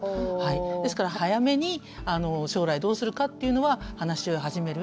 ですから早めに将来どうするかっていうのは話し合いを始める。